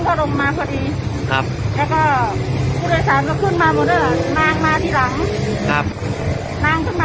นางมาที่หลัง